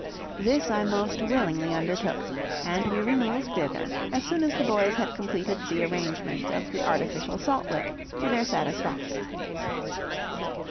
This I most willingly undertook, and we removed thither, as soon as the boys had completed the arrangement of the artificial salt lick to their satisfaction.